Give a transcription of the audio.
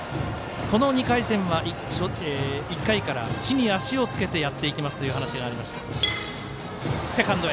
この２回戦は、１回から地に足をつけてやっていきますという話がありました。